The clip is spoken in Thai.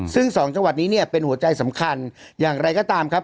ซึ่งสองจังหวัดนี้เนี่ยเป็นหัวใจสำคัญอย่างไรก็ตามครับ